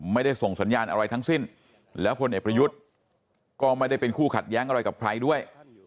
ไม่ได้ส่งสัญญาณอะไรทั้งสิ้นแล้วพลเอกประยุทธ์ก็ไม่ได้เป็นคู่ขัดแย้งอะไรกับใครด้วย